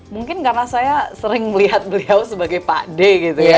mungkin karena saya sering melihat beliau sebagai pak d gitu ya